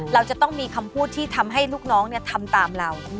เราจะต้องมีคำพูดที่ทำให้ลูกน้องทำตามเรา